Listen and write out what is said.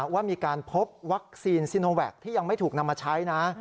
ว่ามีการพบวัคซีนซีโนแวคที่ยังไม่ถูกนำมาใช้นะ